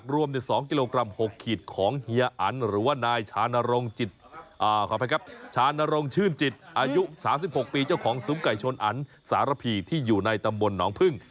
รองชื่นจิตอายุ๓๖ปีเจ้าของซุมไก่ชนอันสารพีที่อยู่ในตำบลหนองพึ่ง